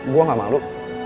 gue gak malu